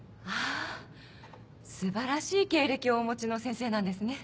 あ素晴らしい経歴をお持ちの先生なんですね。